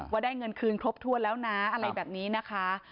ว่าได้เงินคืนครบถ้วนแล้วนะอะไรแบบนี้นะคะ